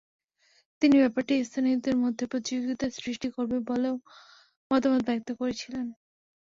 তিনি ব্যাপারটি স্থানীয়দের মধ্যে প্রতিযোগিতা সৃষ্টি করবে বলেও মতামত ব্যক্ত করেছিলেন।